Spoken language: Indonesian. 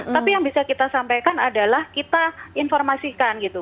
tapi yang bisa kita sampaikan adalah kita informasikan gitu